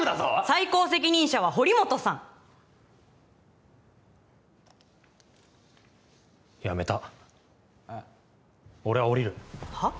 最高責任者は堀本さんやめた俺は降りるは？